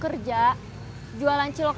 masa jualan cilok